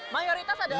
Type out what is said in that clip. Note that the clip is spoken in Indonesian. mayoritas adalah miskin